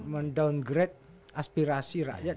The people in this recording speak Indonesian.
men downgrade aspirasi rakyat